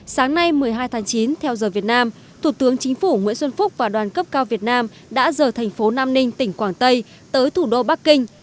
sáng nay một mươi hai tháng chín theo giờ việt nam thủ tướng chính phủ nguyễn xuân phúc và đoàn cấp cao việt nam đã rời thành phố nam ninh tỉnh quảng tây tới thủ đô bắc kinh